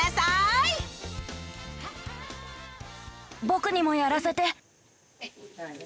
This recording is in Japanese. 僕にもやらせて！